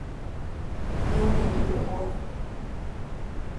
牛尾独活